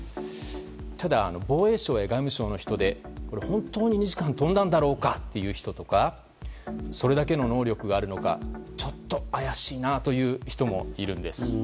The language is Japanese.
ただ防衛省や外務省の人で本当に２時間飛んだんだろうかという人やそれだけの能力があるのかちょっと怪しいなという人もいるんです。